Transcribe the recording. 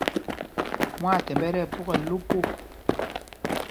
Mwaathɛmb ɛ tí ɛpukɛl lo po.